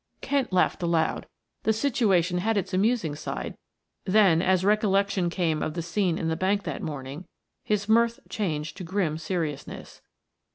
Kent laughed aloud. The situation had its amusing side; then, as recollection came of the scene in the bank that morning, his mirth changed to grim seriousness.